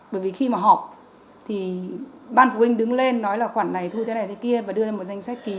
bởi vì khi mà học thì ban phụ huynh đứng lên nói là khoản này thu thế này thế kia và đưa lên một danh sách ký